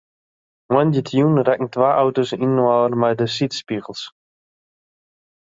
Moandeitejûn rekken twa auto's inoar mei de sydspegels.